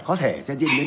có thể sẽ diễn biến